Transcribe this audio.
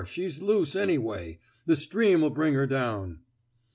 She's loose, anyway. The stream '11 bring her down."